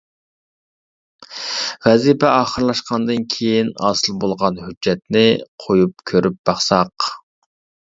ۋەزىپە ئاخىرلاشقاندىن كېيىن ھاسىل بولغان ھۆججەتنى قويۇپ كۆرۈپ باقساق.